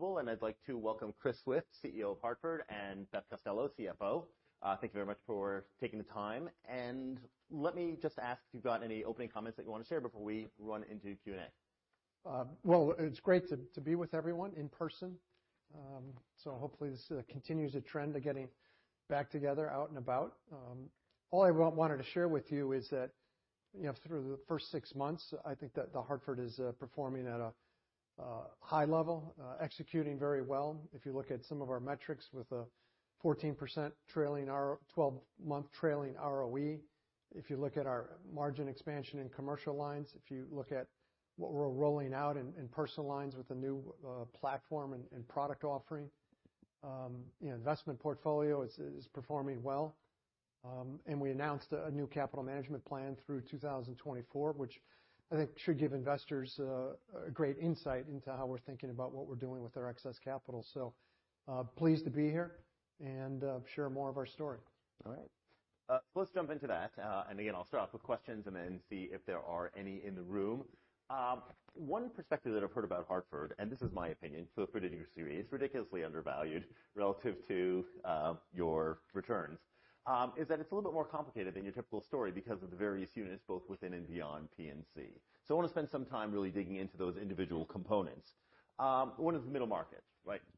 I'd like to welcome Chris Swift, CEO of The Hartford, and Beth Costello, CFO. Thank you very much for taking the time. Let me just ask if you've got any opening comments that you want to share before we run into Q&A. Well, it's great to be with everyone in person. Hopefully this continues a trend of getting back together out and about. All I wanted to share with you is that, through the first six months, I think that The Hartford is performing at a high level, executing very well. If you look at some of our metrics with the 12-month trailing ROE, if you look at our margin expansion in commercial lines, if you look at what we're rolling out in personal lines with the new platform and product offering. Investment portfolio is performing well. We announced a new capital management plan through 2024, which I think should give investors a great insight into how we're thinking about what we're doing with our excess capital. Pleased to be here and share more of our story. All right. Let's jump into that. Again, I'll start off with questions. Then see if there are any in the room. One perspective that I've heard about The Hartford, and this is my opinion, so put it in your series, ridiculously undervalued relative to your returns, is that it's a little bit more complicated than your typical story because of the various units, both within and beyond P&C. So I want to spend some time really digging into those individual components. One is middle market.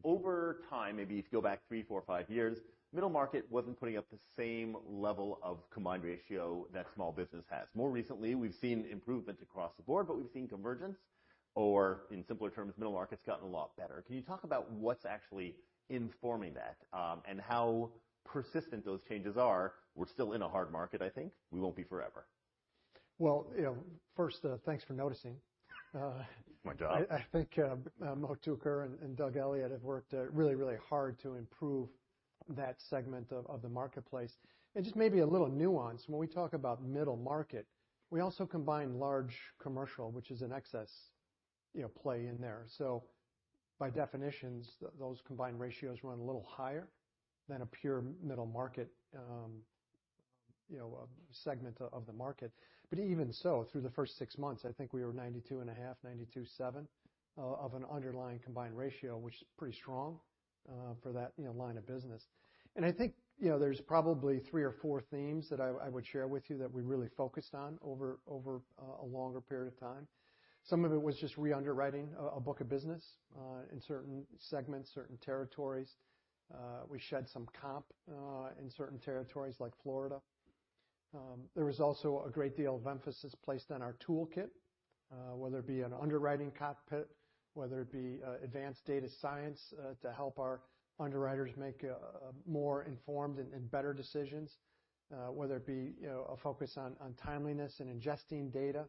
Over time, maybe if you go back three, four, five years, middle market wasn't putting up the same level of combined ratio that small business has. More recently, we've seen improvement across the board, but we've seen convergence, or in simpler terms, middle market's gotten a lot better. Can you talk about what's actually informing that, and how persistent those changes are? We're still in a hard market, I think. We won't be forever. Well, first, thanks for noticing. My job. I think Mo Tooker and Doug Elliott have worked really hard to improve that segment of the marketplace. Just maybe a little nuance, when we talk about middle market, we also combine large commercial, which is an excess play in there. By definitions, those combined ratios run a little higher than a pure middle market segment of the market. Even so, through the first six months, I think we were 92.5%, 92.7% of an underlying combined ratio, which is pretty strong for that line of business. I think there's probably three or four themes that I would share with you that we really focused on over a longer period of time. Some of it was just re-underwriting a book of business in certain segments, certain territories. We shed some workers' comp in certain territories like Florida. There was also a great deal of emphasis placed on our toolkit, whether it be an underwriting cockpit, whether it be advanced data science to help our underwriters make more informed and better decisions, whether it be a focus on timeliness and ingesting data,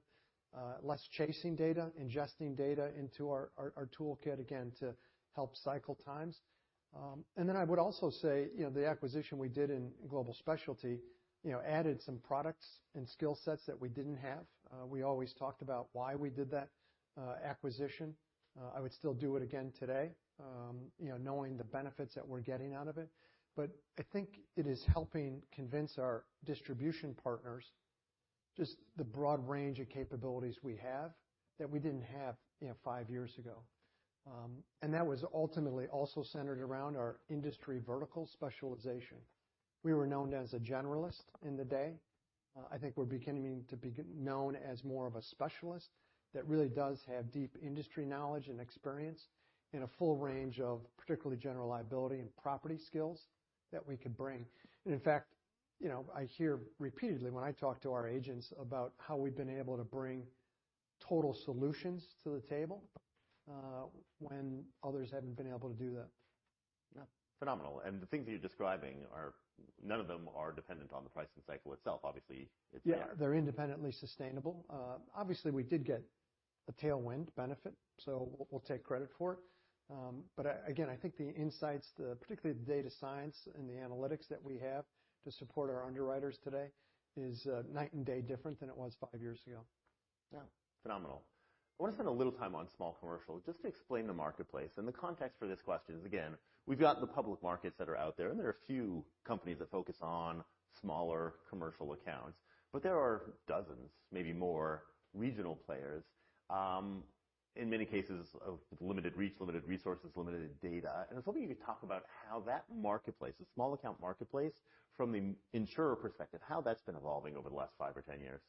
less chasing data, ingesting data into our toolkit, again, to help cycle times. I would also say the acquisition we did in Global Specialty added some products and skill sets that we didn't have. We always talked about why we did that acquisition. I would still do it again today knowing the benefits that we're getting out of it. I think it is helping convince our distribution partners just the broad range of capabilities we have that we didn't have five years ago. That was ultimately also centered around our industry vertical specialization. We were known as a generalist in the day. I think we're beginning to be known as more of a specialist that really does have deep industry knowledge and experience in a full range of particularly general liability and property skills that we can bring. In fact, I hear repeatedly when I talk to our agents about how we've been able to bring total solutions to the table when others haven't been able to do that. Yeah. Phenomenal. The things that you're describing, none of them are dependent on the pricing cycle itself. Yeah, they're independently sustainable. Obviously, we did get a tailwind benefit, we'll take credit for it. Again, I think the insights, particularly the data science and the analytics that we have to support our underwriters today is night and day different than it was five years ago. Yeah. Phenomenal. I want to spend a little time on small commercial just to explain the marketplace. The context for this question is, again, we've got the public markets that are out there are a few companies that focus on smaller commercial accounts, there are dozens, maybe more regional players, in many cases of limited reach, limited resources, limited data. I was hoping you could talk about how that marketplace, the small account marketplace from the insurer perspective, how that's been evolving over the last five or 10 years.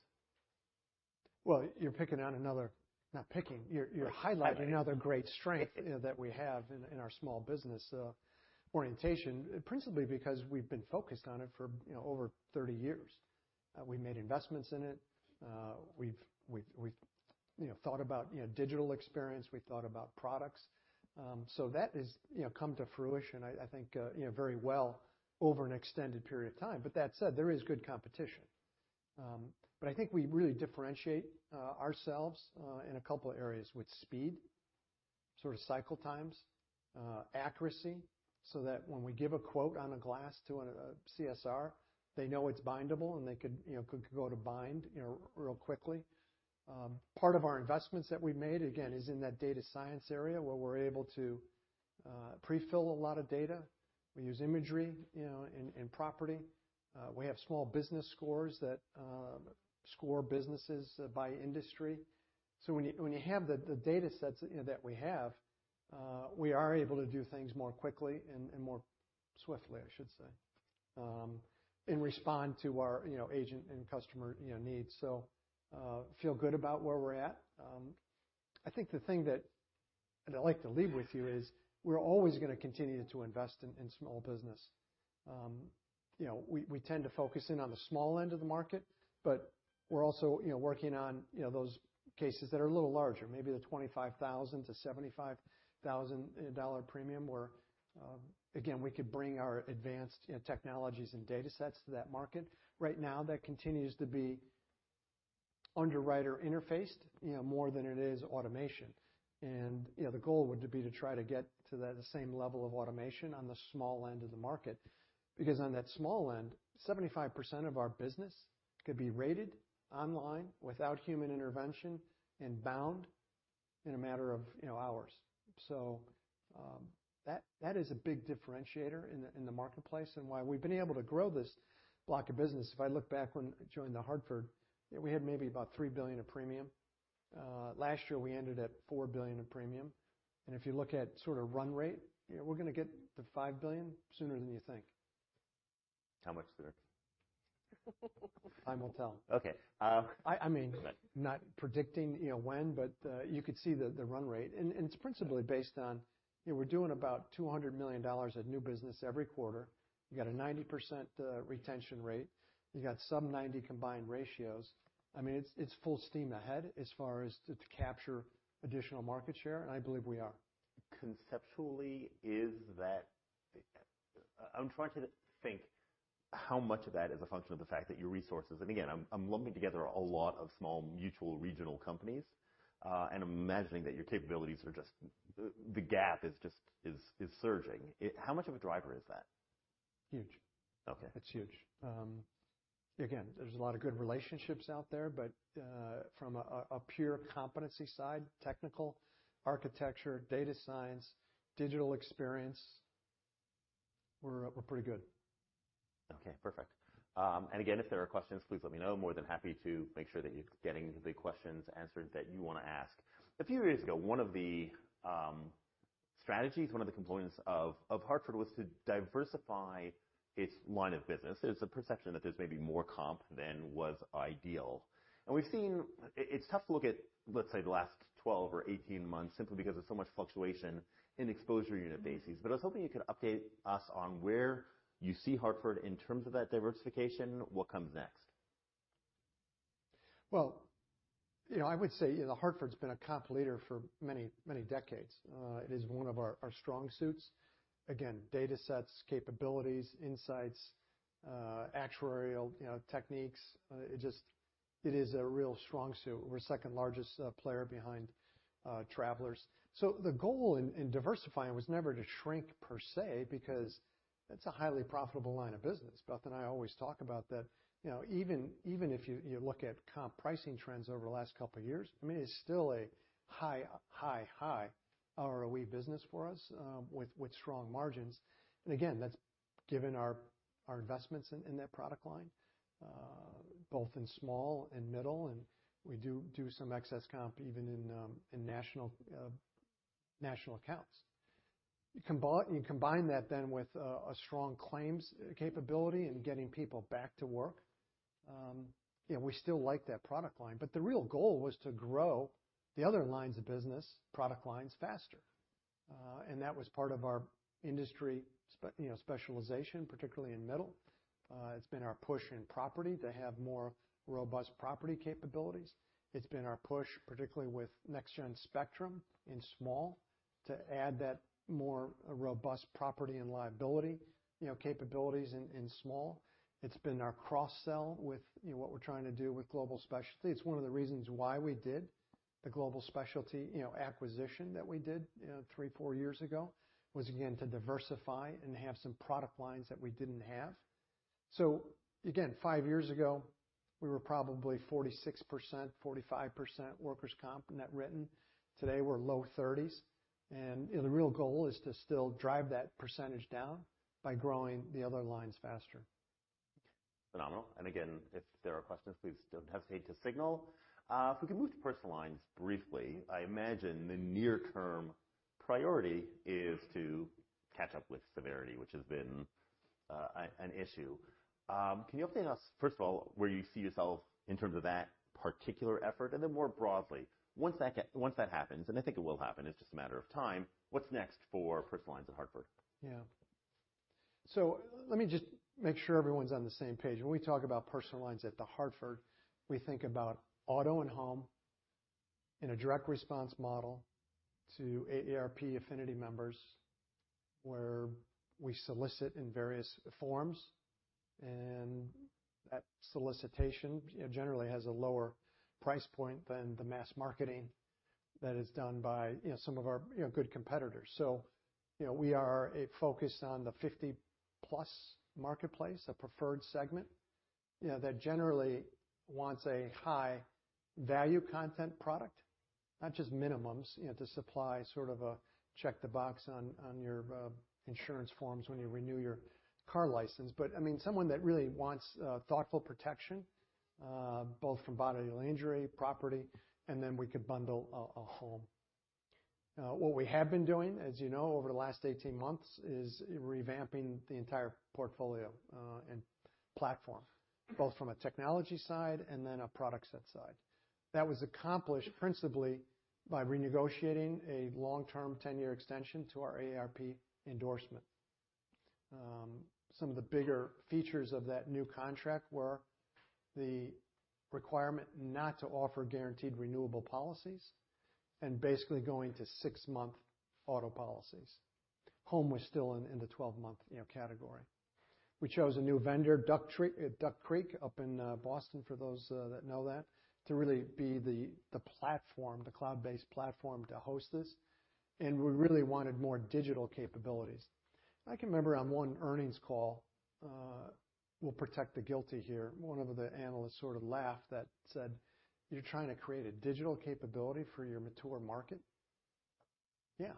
Well, you're highlighting another great strength that we have in our small business orientation, principally because we've been focused on it for over 30 years. We made investments in it. We've thought about digital experience. We thought about products. That has come to fruition, I think, very well over an extended period of time. That said, there is good competition. I think we really differentiate ourselves in a couple of areas with speed, sort of cycle times, accuracy, so that when we give a quote on a class to a CSR, they know it's bindable and they could go to bind real quickly. Part of our investments that we've made, again, is in that data science area where we're able to pre-fill a lot of data. We use imagery in property. We have small business scores that score businesses by industry. When you have the data sets that we have, we are able to do things more quickly and more swiftly, I should say, and respond to our agent and customer needs. Feel good about where we're at. I think the thing that I'd like to leave with you is we're always going to continue to invest in small business. We tend to focus in on the small end of the market, but we're also working on those cases that are a little larger, maybe the $25,000 to $75,000 premium where, again, we could bring our advanced technologies and data sets to that market. Right now, that continues to be underwriter interfaced, more than it is automation. The goal would be to try to get to that same level of automation on the small end of the market, because on that small end, 75% of our business could be rated online without human intervention and bound in a matter of hours. That is a big differentiator in the marketplace and why we've been able to grow this block of business. If I look back when I joined The Hartford, we had maybe about $3 billion of premium. Last year, we ended at $4 billion of premium. If you look at sort of run rate, we're going to get to $5 billion sooner than you think. How much sooner? Time will tell. Okay. I mean, not predicting when, but you could see the run rate, and it's principally based on we're doing about $200 million of new business every quarter. You got a 90% retention rate. You got sub-90 combined ratios. I mean, it's full steam ahead as far as to capture additional market share, and I believe we are. Conceptually, I'm trying to think how much of that is a function of the fact that your resources, and again, I'm lumping together a lot of small mutual regional companies, and imagining that your capabilities are. The gap is surging. How much of a driver is that? Huge. Okay. It's huge. Again, there's a lot of good relationships out there, but from a pure competency side, technical architecture, data science, digital experience, we're pretty good. Okay, perfect. If there are questions, please let me know. More than happy to make sure that you're getting the questions answered that you want to ask. A few years ago, one of the strategies, one of the components of The Hartford was to diversify its line of business. There's a perception that there's maybe more comp than was ideal. We've seen, it's tough to look at, let's say, the last 12 or 18 months simply because of so much fluctuation in exposure unit bases. I was hoping you could update us on where you see The Hartford in terms of that diversification. What comes next? I would say The Hartford's been a comp leader for many, many decades. It is one of our strong suits. Again, data sets, capabilities, insights, actuarial techniques. It is a real strong suit. We're second largest player behind Travelers. The goal in diversifying was never to shrink per se, because it's a highly profitable line of business. Beth and I always talk about that. Even if you look at comp pricing trends over the last couple of years, it's still a high ROE business for us, with strong margins. That's given our investments in that product line, both in small and middle, and we do some excess comp even in national accounts. You combine that then with a strong claims capability and getting people back to work. We still like that product line, the real goal was to grow the other lines of business, product lines faster. That was part of our industry specialization, particularly in middle. It's been our push in property to have more robust property capabilities. It's been our push, particularly with next-gen Spectrum in small to add that more robust property and liability capabilities in small. It's been our cross-sell with what we're trying to do with Global Specialty. It's one of the reasons why we did the Global Specialty acquisition that we did 3, 4 years ago was, again, to diversify and have some product lines that we didn't have. Again, 5 years ago, we were probably 46%, 45% workers' comp net written. Today, we're low 30s, the real goal is to still drive that percentage down by growing the other lines faster. Phenomenal. If there are questions, please don't hesitate to signal. If we can move to personal lines briefly. I imagine the near-term priority is to catch up with severity, which has been an issue. Can you update us, first of all, where you see yourself in terms of that particular effort? More broadly, once that happens, and I think it will happen, it's just a matter of time, what's next for personal lines at The Hartford? Let me just make sure everyone's on the same page. When we talk about personal lines at The Hartford, we think about auto and home in a direct response model to AARP Affinity members, where we solicit in various forms, and that solicitation generally has a lower price point than the mass marketing that is done by some of our good competitors. We are a focus on the 50-plus marketplace, a preferred segment. That generally wants a high-value content product, not just minimums to supply sort of a check-the-box on your insurance forms when you renew your car license. But someone that really wants thoughtful protection, both from bodily injury, property, and then we could bundle a home. What we have been doing, as you know, over the last 18 months, is revamping the entire portfolio and platform, both from a technology side and then a product set side. That was accomplished principally by renegotiating a long-term 10-year extension to our AARP endorsement. Some of the bigger features of that new contract were the requirement not to offer guaranteed renewable policies and basically going to six-month auto policies. Home was still in the 12-month category. We chose a new vendor, Duck Creek, up in Boston, for those that know that, to really be the cloud-based platform to host this. And we really wanted more digital capabilities. I can remember on one earnings call, we'll protect the guilty here, one of the analysts sort of laughed that said, "You're trying to create a digital capability for your mature market?" Yeah,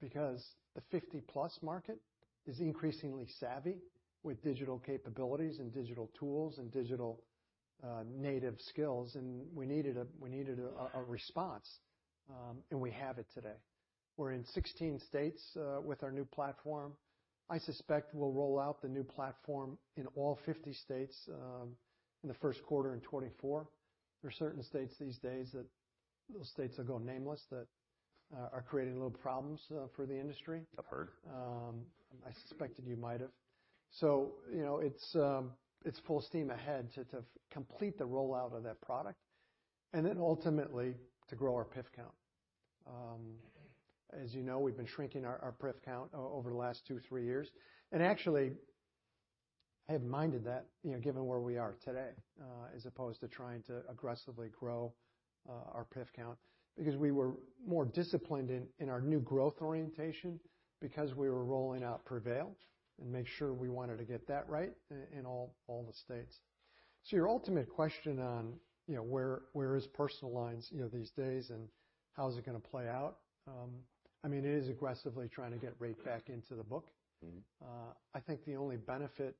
because the 50-plus market is increasingly savvy with digital capabilities and digital tools and digital native skills, and we needed a response, and we have it today. We're in 16 states with our new platform. I suspect we'll roll out the new platform in all 50 states in the first quarter in 2024. There are certain states these days that, those states will go nameless, that are creating little problems for the industry. I've heard. I suspected you might have. It's full steam ahead to complete the rollout of that product, and then ultimately to grow our PIF count. As you know, we've been shrinking our PIF count over the last two, three years. Actually, I have minded that, given where we are today, as opposed to trying to aggressively grow our PIF count. We were more disciplined in our new growth orientation because we were rolling out Prevail and make sure we wanted to get that right in all the states. Your ultimate question on where is personal lines these days and how is it going to play out? It is aggressively trying to get rate back into the book. I think the only benefit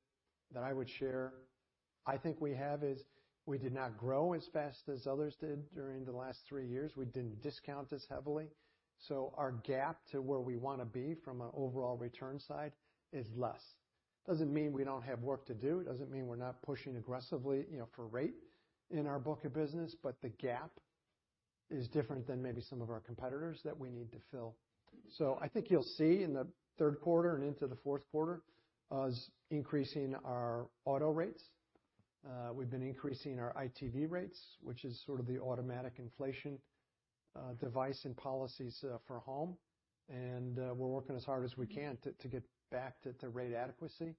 that I would share, I think we have is we did not grow as fast as others did during the last three years. We didn't discount as heavily. Our gap to where we want to be from an overall return side is less. Doesn't mean we don't have work to do, doesn't mean we're not pushing aggressively for rate in our book of business, but the gap is different than maybe some of our competitors that we need to fill. I think you'll see in the third quarter and into the fourth quarter us increasing our auto rates. We've been increasing our ITB rates, which is sort of the automatic inflation device and policies for home. We're working as hard as we can to get back to rate adequacy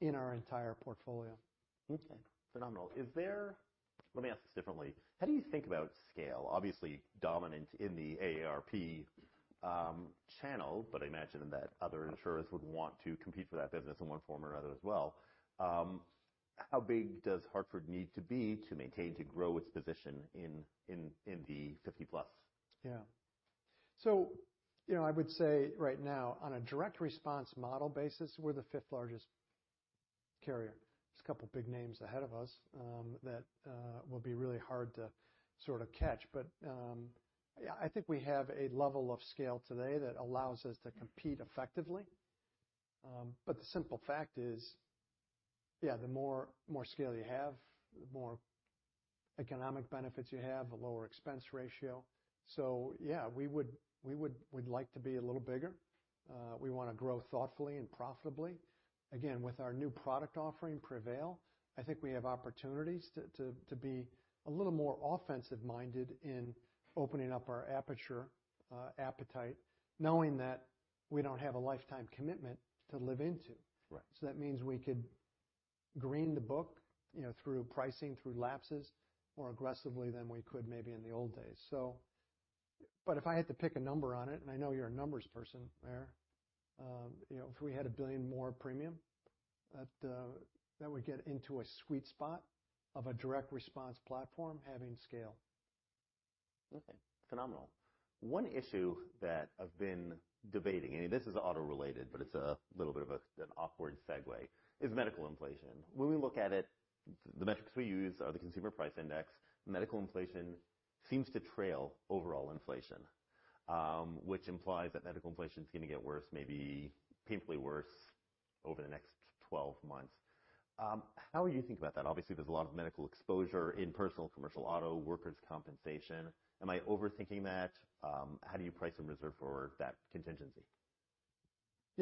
in our entire portfolio. Phenomenal. Let me ask this differently. How do you think about scale? Obviously dominant in the AARP channel, but I imagine that other insurers would want to compete for that business in one form or another as well. How big does The Hartford need to be to maintain, to grow its position in the 50 plus? I would say right now on a direct response model basis, we're the fifth largest carrier. There's a couple big names ahead of us that will be really hard to sort of catch. I think we have a level of scale today that allows us to compete effectively. The simple fact is, the more scale you have, the more economic benefits you have, a lower expense ratio. We'd like to be a little bigger. We want to grow thoughtfully and profitably. Again, with our new product offering, Prevail, I think we have opportunities to be a little more offensive-minded in opening up our aperture, appetite, knowing that we don't have a lifetime commitment to live into. Right. That means we could green the book through pricing, through lapses, more aggressively than we could maybe in the old days. If I had to pick a number on it, and I know you're a numbers person, Blair, if we had $1 billion more premium, that would get into a sweet spot of a direct response platform having scale. Okay. Phenomenal. One issue that I've been debating, and this is auto-related, but it's a little bit of an awkward segue, is medical inflation. When we look at it, the metrics we use are the consumer price index. Medical inflation seems to trail overall inflation, which implies that medical inflation is going to get worse, maybe painfully worse over the next 12 months. How are you thinking about that? Obviously, there's a lot of medical exposure in personal commercial auto, workers' compensation. Am I overthinking that? How do you price and reserve for that contingency?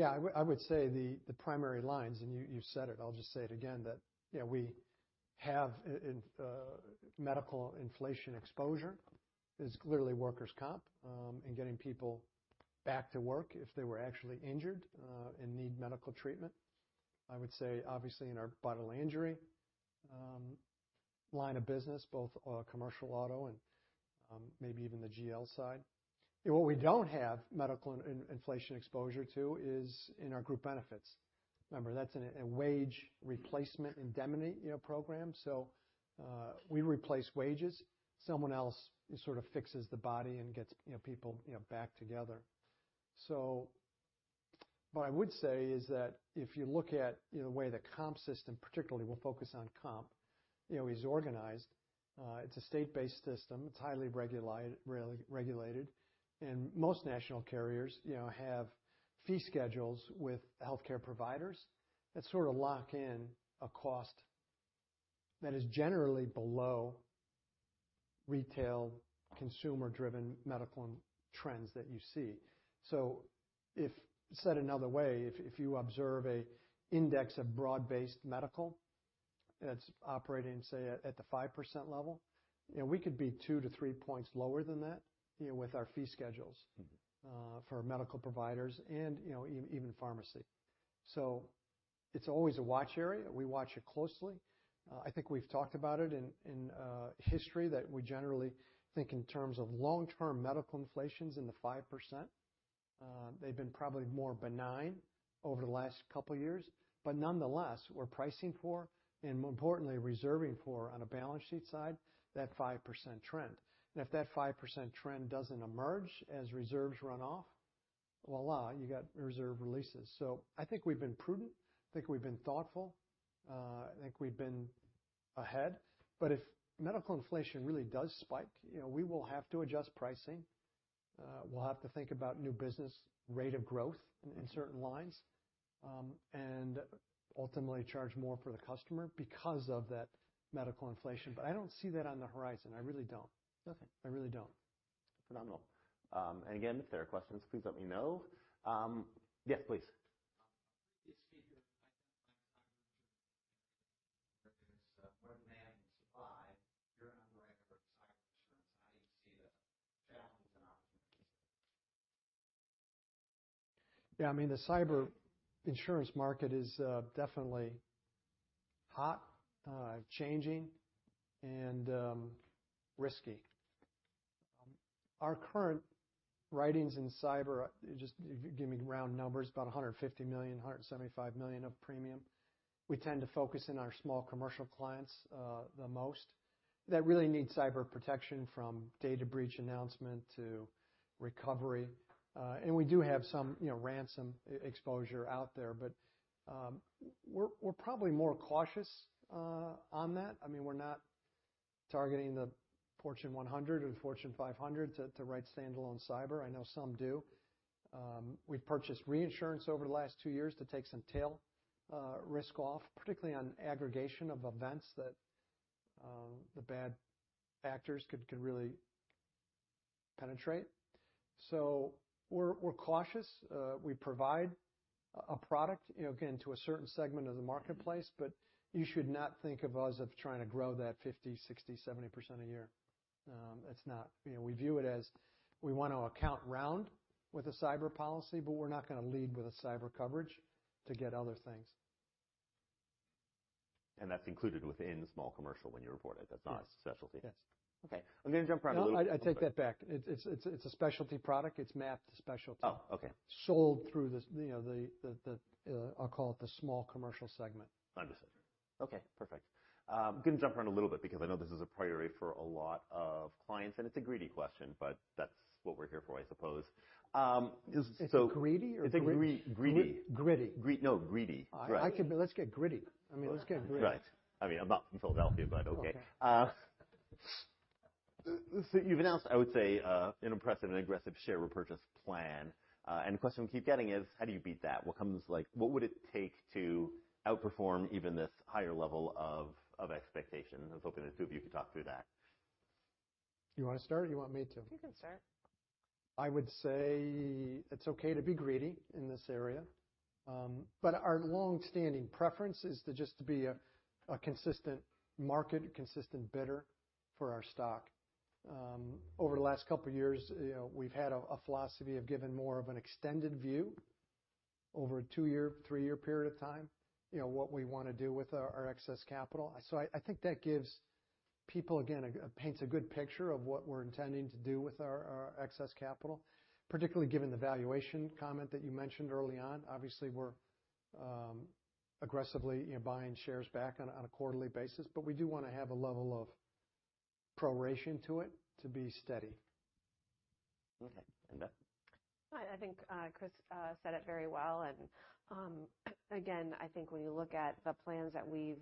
I would say the primary lines, and you said it, I'll just say it again, that we have medical inflation exposure is clearly workers' comp, and getting people back to work if they were actually injured and need medical treatment. I would say, obviously in our bodily injury line of business, both commercial auto and maybe even the GL side. What we don't have medical inflation exposure to is in our group benefits. Remember, that's a wage replacement indemnity program. We replace wages. Someone else sort of fixes the body and gets people back together. What I would say is that if you look at the way the comp system, particularly we'll focus on comp is organized. It's a state-based system. It's highly regulated, and most national carriers have fee schedules with healthcare providers that sort of lock in a cost that is generally below retail, consumer-driven medical trends that you see. If, said another way, if you observe an index of broad-based medical that's operating, say, at the 5% level, we could be 2 to 3 points lower than that with our fee schedules for medical providers and even pharmacy. It's always a watch area. We watch it closely. I think we've talked about it in history that we generally think in terms of long-term medical inflation's in the 5%. They've been probably more benign over the last couple of years. Nonetheless, we're pricing for, and more importantly, reserving for, on a balance sheet side, that 5% trend. If that 5% trend doesn't emerge as reserves run off, voila, you got reserve releases. I think we've been prudent. I think we've been thoughtful. I think we've been ahead. If medical inflation really does spike, we will have to adjust pricing. We'll have to think about new business rate of growth in certain lines. Ultimately charge more for the customer because of that medical inflation. I don't see that on the horizon. I really don't. Okay. I really don't. Phenomenal. Again, if there are questions, please let me know. Yes, please. The cyber insurance market is definitely hot, changing, and risky. Our current writings in cyber, just giving round numbers, about $150 million, $175 million of premium. We tend to focus on our small commercial clients the most that really need cyber protection from data breach announcement to recovery. We do have some ransom exposure out there, but we're probably more cautious on that. We're not targeting the Fortune 100 or the Fortune 500 to write standalone cyber. I know some do. We've purchased reinsurance over the last two years to take some tail risk off, particularly on aggregation of events that the bad actors could really penetrate. We're cautious. We provide a product, again, to a certain segment of the marketplace, but you should not think of us of trying to grow that 50%, 60%, 70% a year. We view it as we want to account round with a cyber policy, but we're not going to lead with a cyber coverage to get other things. That's included within small commercial when you report it. That's not a specialty. Yes. Okay. I'm going to jump around a little bit. No, I take that back. It's a specialty product. It's mapped to specialty. Oh, okay. Sold through the, I'll call it the small commercial segment. Understood. Okay, perfect. Going to jump around a little bit because I know this is a priority for a lot of clients, and it's a greedy question, but that's what we're here for, I suppose. Is it greedy or gritty? It's a greedy- Gritty. No, greedy. Let's get gritty. Let's get gritty. Right. I'm not from Philadelphia, but okay. Okay. You've announced, I would say, an impressive and aggressive share repurchase plan. The question we keep getting is, how do you beat that? What would it take to outperform even this higher level of expectations? I was hoping the two of you could talk through that. Do you want to start, or do you want me to? You can start. I would say it's okay to be greedy in this area. Our long-standing preference is to just be a consistent market, consistent bidder for our stock. Over the last couple of years, we've had a philosophy of giving more of an extended view over a two-year, three-year period of time, what we want to do with our excess capital. I think that gives people, again, paints a good picture of what we're intending to do with our excess capital, particularly given the valuation comment that you mentioned early on. Obviously, we're aggressively buying shares back on a quarterly basis, but we do want to have a level of proration to it to be steady. Okay. Beth? I think Chris said it very well. Again, I think when you look at the plans that we've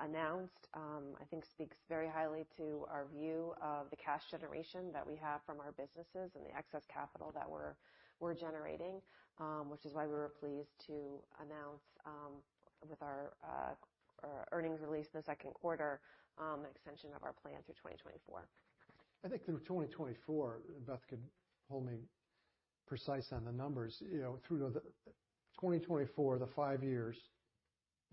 announced, I think speaks very highly to our view of the cash generation that we have from our businesses and the excess capital that we're generating, which is why we were pleased to announce with our earnings release in the second quarter, an extension of our plan through 2024. I think through 2024, Beth could hold me precise on the numbers. Through 2024, the five years,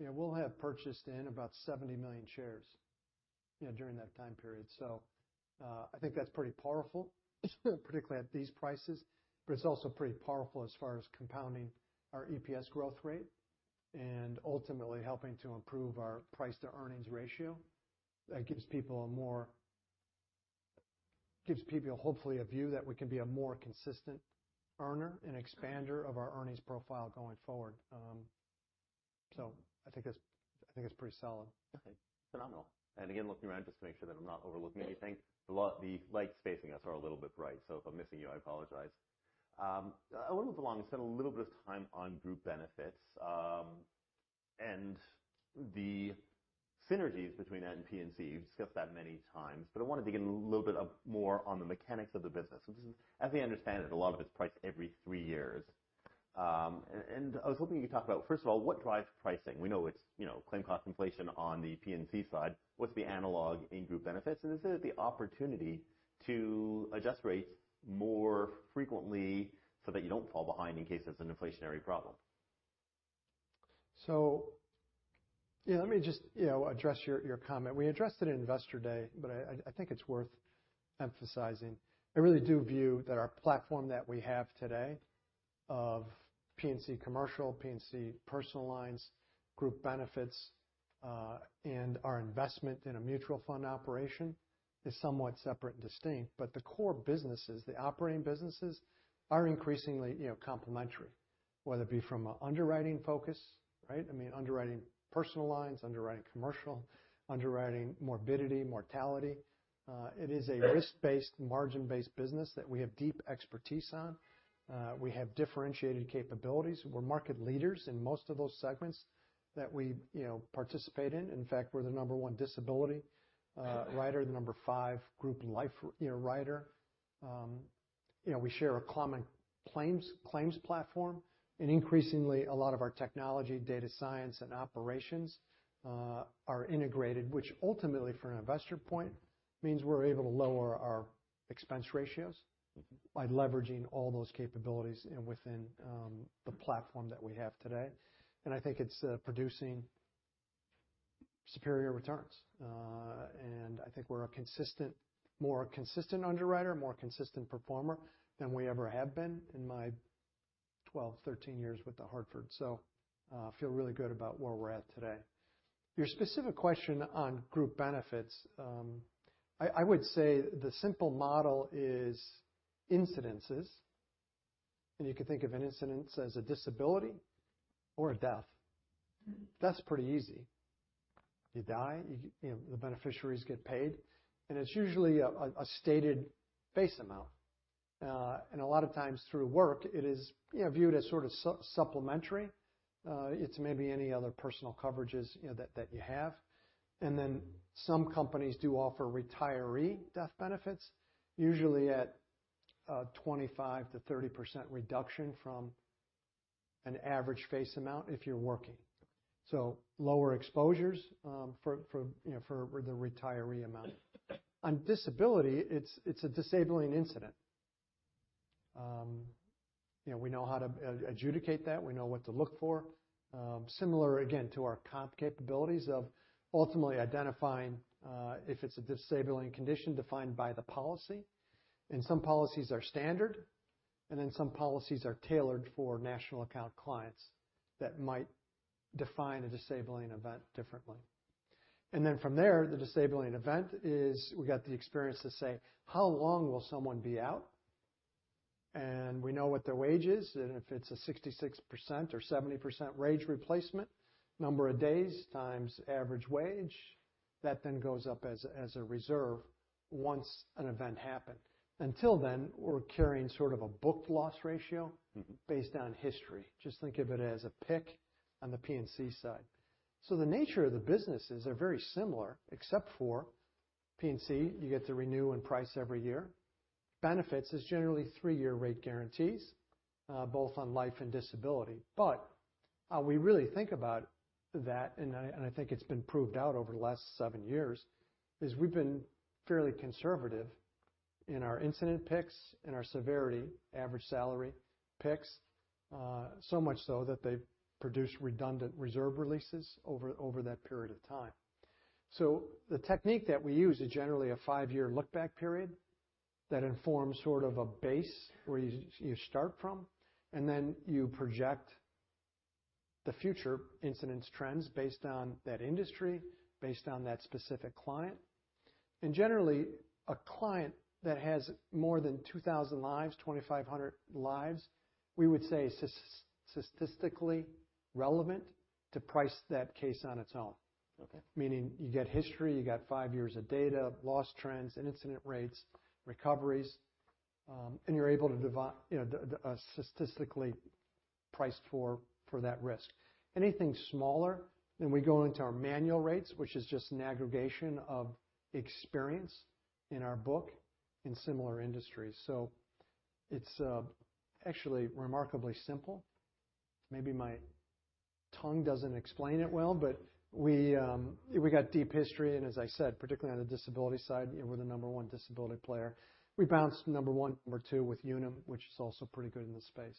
we'll have purchased in about 70 million shares during that time period. I think that's pretty powerful, particularly at these prices, but it's also pretty powerful as far as compounding our EPS growth rate ultimately helping to improve our price to earnings ratio. That gives people, hopefully, a view that we can be a more consistent earner and expander of our earnings profile going forward. I think it's pretty solid. Okay. Phenomenal. Again, looking around just to make sure that I'm not overlooking anything. The lights facing us are a little bit bright, so if I'm missing you, I apologize. I want to move along and spend a little bit of time on group benefits, and the synergies between that and P&C. You've discussed that many times, but I wanted to get in a little bit of more on the mechanics of the business. As I understand it, a lot of it's priced every three years. I was hoping you could talk about, first of all, what drives pricing. We know it's claim cost inflation on the P&C side. What's the analog in group benefits, and is it the opportunity to adjust rates more frequently so that you don't fall behind in case it's an inflationary problem? Let me just address your comment. We addressed it in Investor Day, but I think it's worth emphasizing. I really do view that our platform that we have today of P&C commercial, P&C personal lines, group benefits, and our investment in a mutual fund operation is somewhat separate and distinct, but the core businesses, the operating businesses, are increasingly complementary, whether it be from an underwriting focus, right? I mean, underwriting personal lines, underwriting commercial, underwriting morbidity, mortality. It is a risk-based, margin-based business that we have deep expertise on. We have differentiated capabilities. We're market leaders in most of those segments that we participate in. In fact, we're the number one disability writer, the number five group life writer. We share a common claims platform. Increasingly, a lot of our technology, data science, and operations are integrated, which ultimately for an investor point, means we're able to lower our expense ratios by leveraging all those capabilities within the platform that we have today. I think it's producing superior returns. I think we're a more consistent underwriter, more consistent performer than we ever have been in my 12, 13 years with The Hartford. I feel really good about where we're at today. Your specific question on group benefits. I would say the simple model is incidences, and you can think of an incidence as a disability or a death. That's pretty easy. You die, the beneficiaries get paid, and it's usually a stated face amount. A lot of times through work, it is viewed as sort of supplementary. It's maybe any other personal coverages that you have. Some companies do offer retiree death benefits, usually at a 25%-30% reduction from an average face amount if you're working. Lower exposures for the retiree amount. On disability, it's a disabling incident. We know how to adjudicate that. We know what to look for. Similar, again, to our comp capabilities of ultimately identifying if it's a disabling condition defined by the policy. Some policies are standard, and some policies are tailored for national account clients that might define a disabling event differently. From there, the disabling event is we got the experience to say, how long will someone be out? We know what their wage is, and if it's a 66% or 70% wage replacement, number of days times average wage. That then goes up as a reserve once an event happened. Until then, we're carrying sort of a booked loss ratio based on history. Just think of it as a pick on the P&C side. The nature of the businesses are very similar, except for P&C, you get to renew and price every year. Benefits is generally three-year rate guarantees, both on life and disability. How we really think about that, and I think it's been proved out over the last seven years, is we've been fairly conservative in our incident picks, in our severity, average salary picks, so much so that they produce redundant reserve releases over that period of time. The technique that we use is generally a five-year look back period that informs sort of a base where you start from, and then you project the future incidence trends based on that industry, based on that specific client. Generally, a client that has more than 2,000 lives, 2,500 lives, we would say is statistically relevant to price that case on its own. Okay. Meaning you got history, you got five years of data, loss trends, incident rates, recoveries, and you're able to statistically price for that risk. Anything smaller, we go into our manual rates, which is just an aggregation of experience in our book in similar industries. It's actually remarkably simple. Maybe my tongue doesn't explain it well, we got deep history and as I said, particularly on the disability side, we're the number 1 disability player. We bounced number 1, number 2 with Unum, which is also pretty good in this space.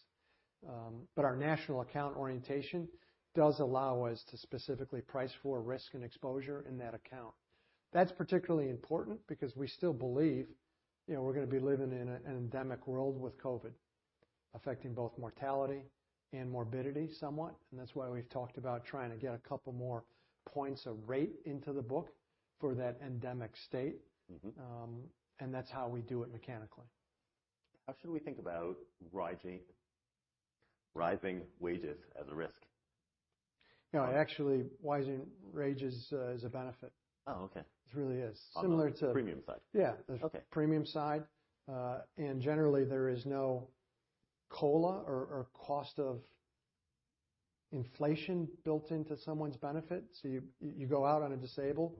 Our national account orientation does allow us to specifically price for risk and exposure in that account. That's particularly important because we still believe we're going to be living in an endemic world with COVID, affecting both mortality and morbidity somewhat, and that's why we've talked about trying to get a couple more points of rate into the book for that endemic state. That's how we do it mechanically. How should we think about rising wages as a risk? No, actually, rising wage is a benefit. Oh, okay. It really is. On the premium side. Yeah. Okay. Generally, there is no COLA or cost of inflation built into someone's benefit. You go out on a disable,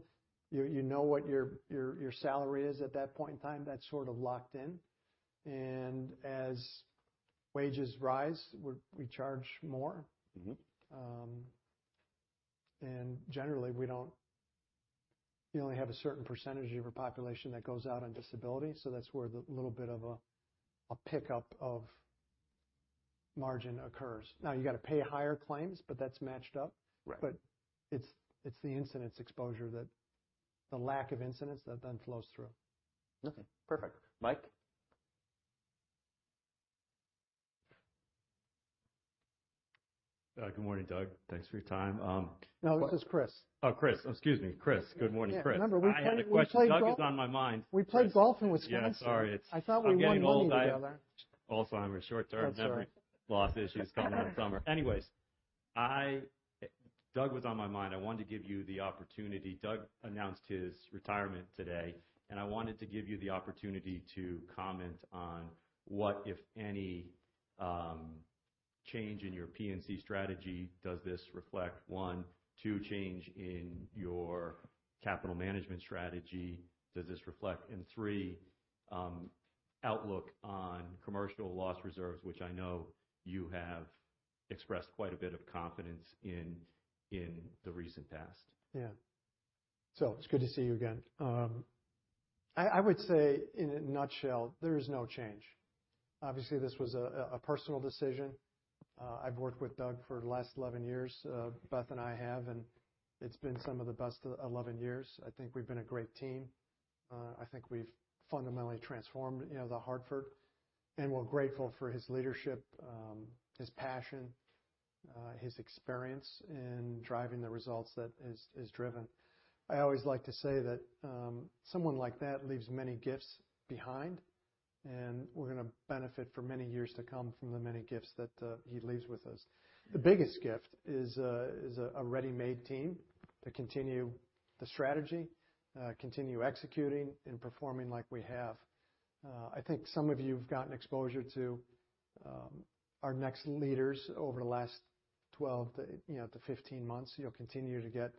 you know what your salary is at that point in time, that's sort of locked in. As wages rise, we charge more. Generally, you only have a certain percentage of your population that goes out on disability, that's where the little bit of a pickup of margin occurs. Now, you got to pay higher claims, that's matched up. Right. The lack of incidence that flows through. Okay, perfect. Mike? Good morning, Doug. Thanks for your time. No, this is Chris. Oh, Chris. Excuse me, Chris. Good morning, Chris. Yeah. Remember we played golf. I had a question. Doug is on my mind. We played golf in Wisconsin. Yeah, sorry. I thought we won money together. I'm getting old. Alzheimer's, short-term memory- That's all right loss issues coming in the summer. Anyways, Doug was on my mind. I wanted to give you the opportunity. Doug announced his retirement today, and I wanted to give you the opportunity to comment on what, if any, change in your P&C strategy does this reflect, one. two, change in your capital management strategy does this reflect. three, outlook on commercial loss reserves, which I know you have expressed quite a bit of confidence in the recent past. Yeah. It's good to see you again. I would say, in a nutshell, there is no change. Obviously, this was a personal decision. I've worked with Doug for the last 11 years, Beth and I have. It's been some of the best 11 years. I think we've been a great team. I think we've fundamentally transformed The Hartford. We're grateful for his leadership, his passion, his experience in driving the results that he's driven. I always like to say that someone like that leaves many gifts behind. We're going to benefit for many years to come from the many gifts that he leaves with us. The biggest gift is a ready-made team to continue the strategy, continue executing and performing like we have. I think some of you have gotten exposure to our next leaders over the last 12 to 15 months. You'll continue to get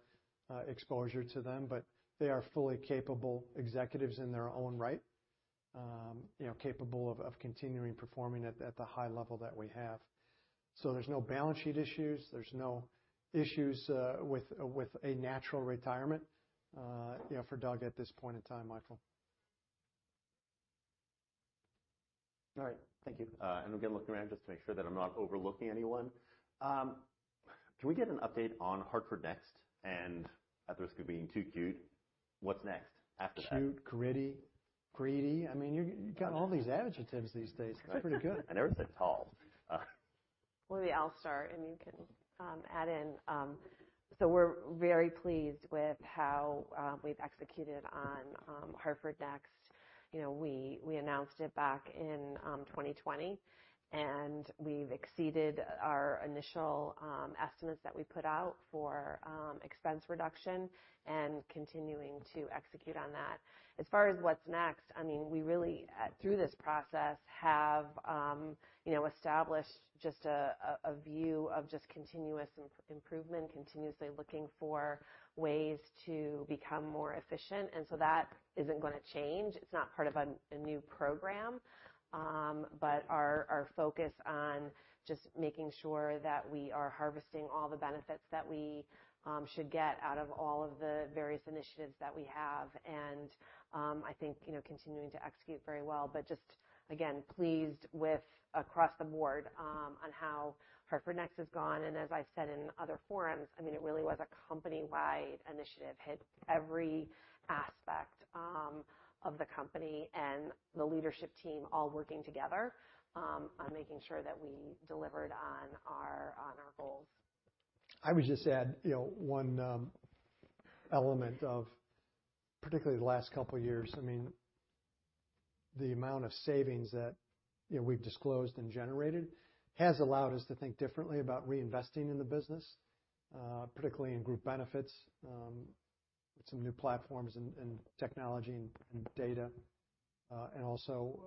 exposure to them. They are fully capable executives in their own right. Capable of continuing performing at the high level that we have. There's no balance sheet issues. There's no issues with a natural retirement for Doug at this point in time, Michael. All right. Thank you. Again, looking around just to make sure that I'm not overlooking anyone. Can we get an update on Hartford Next? At the risk of being too cute, what's next after that? Cute, gritty, greedy. You've got all these adjectives these days. That's pretty good. I never said tall. Maybe I'll start, and you can add in. We're very pleased with how we've executed on Hartford Next. We announced it back in 2020, and we've exceeded our initial estimates that we put out for expense reduction and continuing to execute on that. As far as what's next, we really, through this process, have established just a view of just continuous improvement, continuously looking for ways to become more efficient, that isn't going to change. It's not part of a new program. Our focus on just making sure that we are harvesting all the benefits that we should get out of all of the various initiatives that we have, and I think continuing to execute very well, just, again, pleased with across the board, on how Hartford Next has gone. As I've said in other forums, it really was a company-wide initiative, hit every aspect of the company and the leadership team all working together on making sure that we delivered on our goals. I would just add, one element of particularly the last couple of years, the amount of savings that we've disclosed and generated has allowed us to think differently about reinvesting in the business, particularly in group benefits, with some new platforms and technology and data. Also,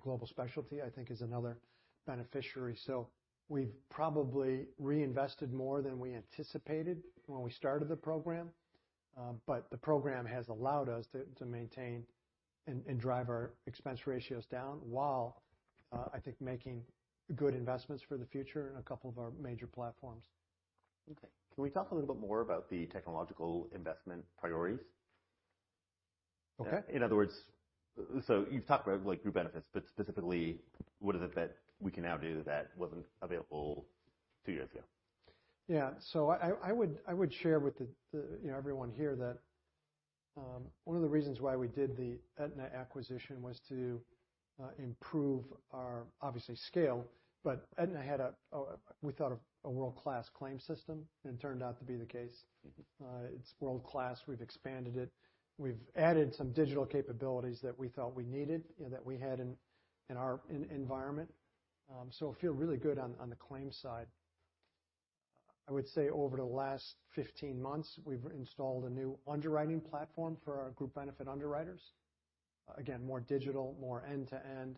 Global Specialty, I think, is another beneficiary. We've probably reinvested more than we anticipated when we started the program, the program has allowed us to maintain and drive our expense ratios down while, I think, making good investments for the future in a couple of our major platforms. Okay. Can we talk a little bit more about the technological investment priorities? Okay. In other words, you've talked about group benefits, but specifically, what is it that we can now do that wasn't available two years ago? Yeah. I would share with everyone here that one of the reasons why we did the Aetna acquisition was to improve our, obviously, scale. Aetna had, we thought, a world-class claims system, and it turned out to be the case. It's world-class. We've expanded it. We've added some digital capabilities that we thought we needed and that we had in our environment. I feel really good on the claims side. I would say over the last 15 months, we've installed a new underwriting platform for our group benefit underwriters. Again, more digital, more end-to-end,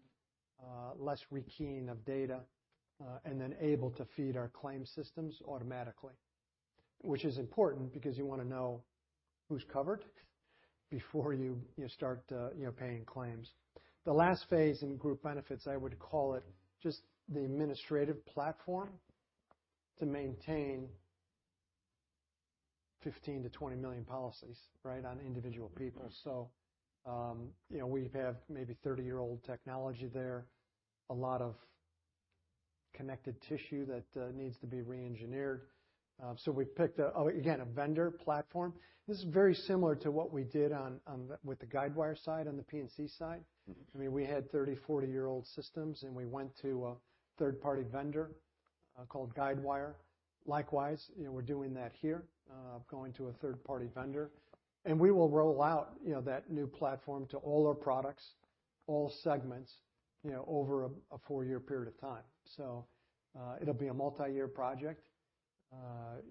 less rekeying of data, and then able to feed our claims systems automatically, which is important because you want to know who's covered before you start paying claims. The last phase in group benefits, I would call it just the administrative platform to maintain 15 million-20 million policies on individual people. We have maybe 30-year-old technology there, a lot of connected tissue that needs to be re-engineered. We picked, again, a vendor platform. This is very similar to what we did with the Guidewire side on the P&C side. We had 30, 40-year-old systems, and we went to a third-party vendor called Guidewire. Likewise, we're doing that here, going to a third-party vendor. We will roll out that new platform to all our products, all segments, over a four-year period of time. It'll be a multi-year project.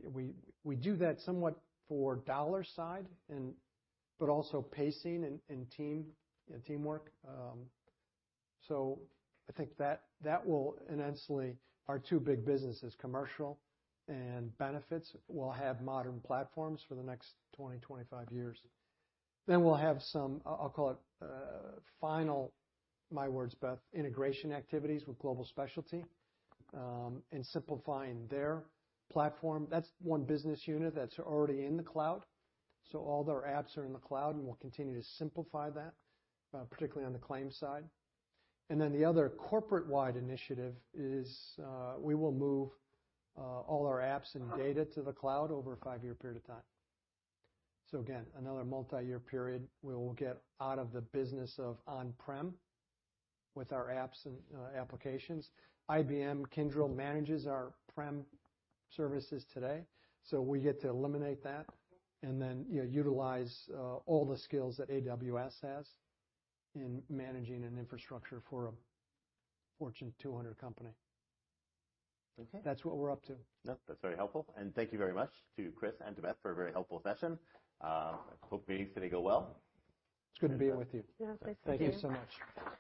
We do that somewhat for dollar side but also pacing and teamwork. I think that will eventually, our two big businesses, commercial and benefits, will have modern platforms for the next 20, 25 years. We'll have some, I'll call it, final, my words, Beth, integration activities with Global Specialty in simplifying their platform. That's one business unit that's already in the cloud. All their apps are in the cloud, and we'll continue to simplify that, particularly on the claims side. The other corporate-wide initiative is we will move all our apps and data to the cloud over a five-year period of time. Again, another multi-year period. We will get out of the business of on-prem with our apps and applications. IBM Kyndryl manages our on-prem services today. We get to eliminate that and then utilize all the skills that AWS has in managing an infrastructure for a Fortune 200 company. Okay. That's what we're up to. That's very helpful. Thank you very much to Chris and to Beth for a very helpful session. Hope meetings today go well. It's good being with you. Yeah, thanks again. Thank you so much.